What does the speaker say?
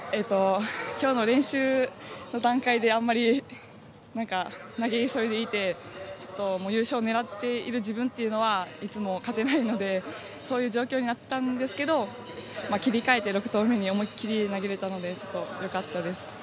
きょうの練習の段階であんまり投げ急いでいて優勝狙っている自分というのはいつも勝てないのでそういう状況になったんですけど切り替えて６投目に思い切り投げられたのでよかったです。